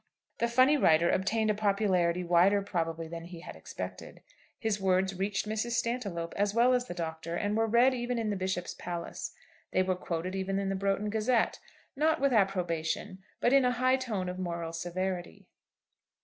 The funny writer obtained a popularity wider probably than he had expected. His words reached Mrs. Stantiloup, as well as the Doctor, and were read even in the Bishop's palace. They were quoted even in the 'Broughton Gazette,' not with approbation, but in a high tone of moral severity.